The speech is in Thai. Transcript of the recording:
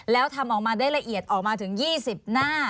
แล้วทำออกมาได้ละเอียดออกมาถึง๒๐หน้า